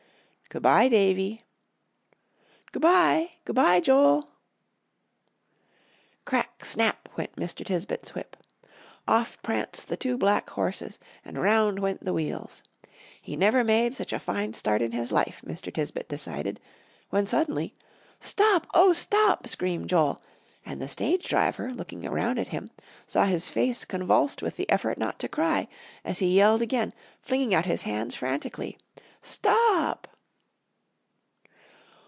"Good by, Davie." "Good by. Good by, Joel." "Crack snap!" went Mr. Tisbett's whip. Off pranced the two black horses, and round went the wheels. He never made such a fine start in his life, Mr. Tisbett decided, when suddenly, "Stop! oh, stop!" screamed Joel, and the stage driver, looking around at him, saw his face convulsed with the effort not to cry, as he yelled again, flinging out his hands frantically, "Stop!"